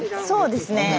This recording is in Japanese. そうですね。